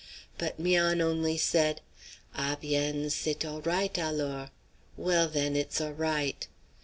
But 'Mian only said: "Ah bien, c'est all right, alors!" (Well, then, it's all right.)